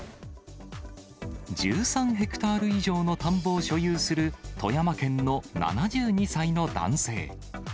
１３ヘクタール以上の田んぼを所有する富山県の７２歳の男性。